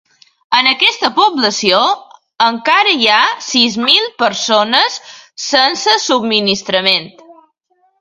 En aquesta població encara hi ha sis mil persones sense subministraments.